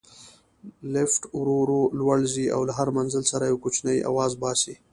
لفټ ورو ورو لوړ ځي او له هر منزل سره یو کوچنی اواز باسي.